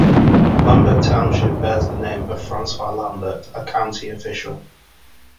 Lambert Township bears the name of Francois Lambert, a county official.